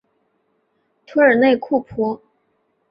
图尔内库普。